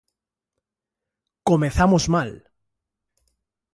Comezamos mal.